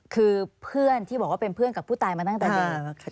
คือเพื่อนที่บอกว่าเป็นเพื่อนกับผู้ตายมาตั้งแต่เด็ก